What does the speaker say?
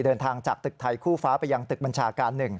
เดินทางจากตึกไทยคู่ฟ้าไปยังตึกบัญชาการ๑